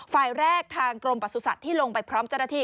ฝ่ายแรกทางกรมประสุทธิ์ที่ลงไปพร้อมเจ้าหน้าที่